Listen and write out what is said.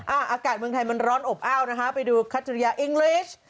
อากาศเมืองไทยมันร้อนอบอ้าวนะคะไปดูคัทริยาอิงลิช